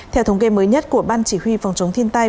theo thống kê mới nhất của ban chỉ huy phòng chống thiên tai